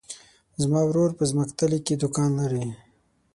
زما ورور په ځمکتلي کې دوکان لری.